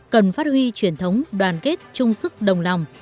cần phát huy truyền thống đoàn kết chung sức đồng lòng